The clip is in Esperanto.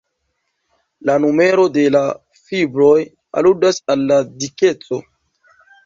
La numero de la fibroj aludas al la dikeco.